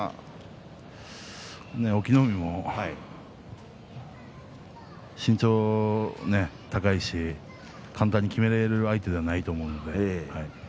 隠岐の海は身長が高いし簡単にきめられる相手ではないと思う。